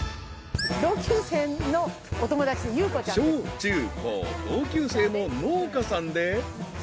同級生のお友達で祐子ちゃん。［小中高同級生の農家さんで］